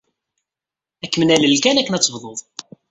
Ad kem-nalel kan akken ad tebdud.